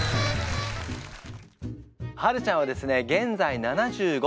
はるちゃんはですね現在７５歳。